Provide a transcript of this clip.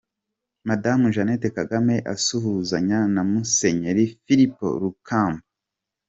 Madamu Jeannette Kagame asuhuzanya na Musenyeri Filipo Rukamba.